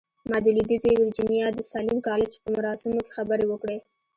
ما د لويديځې ويرجينيا د ساليم کالج په مراسمو کې خبرې وکړې.